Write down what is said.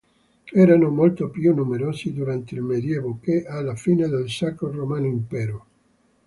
Erano molto più numerosi durante il Medioevo che alla fine del Sacro Romano Impero.